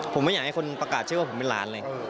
ผมไม่อยากให้คนประกาศชื่อว่าผมเป็นหลานเลย